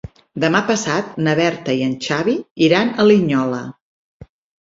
Demà passat na Berta i en Xavi iran a Linyola.